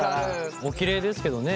おきれいですけどね